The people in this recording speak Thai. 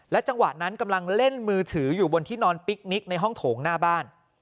จังหวะนั้นกำลังเล่นมือถืออยู่บนที่นอนปิ๊กนิกในห้องโถงหน้าบ้าน